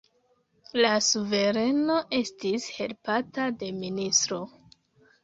La suvereno estis helpata de ministro.